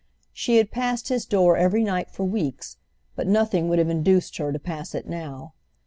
She had passed his door every night for weeks, but nothing would have induced her to pass it now.